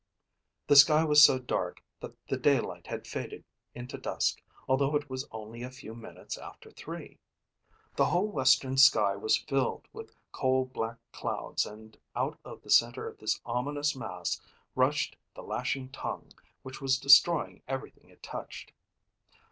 The sky was so dark that the daylight had faded into dusk although it was only a few minutes after three. The whole western sky was filled with coal black clouds and out of the center of this ominous mass rushed the lashing tongue which was destroying everything it touched.